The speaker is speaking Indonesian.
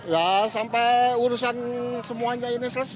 ya sampai urusan semuanya ini selesai